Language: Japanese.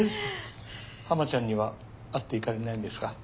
ハマちゃんには会っていかれないんですか？